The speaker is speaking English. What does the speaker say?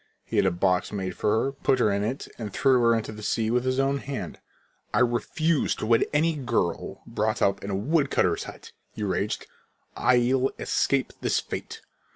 He had a box made for her, put her in it, and threw her into the sea with his own hand. "I refuse to wed any girl brought up in a woodcutter's hut," he raged. "I'll escape that fate."